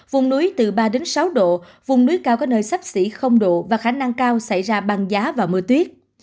vùng núi từ ba đến sáu độ vùng núi cao có nơi sắp xỉ độ và khả năng cao xảy ra băng giá và mưa tuyết